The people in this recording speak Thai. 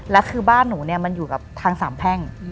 แล้วคือบ้านหนูเนี่ยมันอยู่กับทางสามแพ่ง